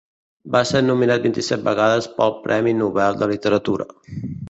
Va ser nominat vint-i-set vegades pel Premi Nobel de Literatura.